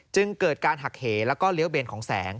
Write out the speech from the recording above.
จึงเกิดการหักเหแล้วก็เลี้ยวเบนของแสง